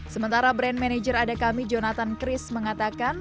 sementara brand manager adakami jonathan chris mengatakan